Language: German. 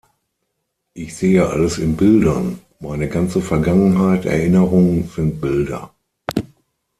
Ich sehe alles in Bildern, meine ganze Vergangenheit, Erinnerungen sind Bilder.